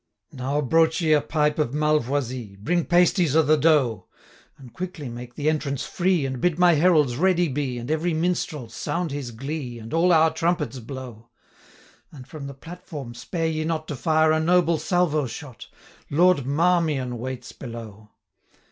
'Now broach ye a pipe of Malvoisie, Bring pasties of the doe, And quickly make the entrance free 45 And bid my heralds ready be, And every minstrel sound his glee, And all our trumpets blow; And, from the platform, spare ye not To fire a noble salvo shot; 50 Lord MARMION waits below!'